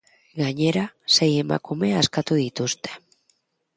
Gainera, sei emakume askatu dituzte.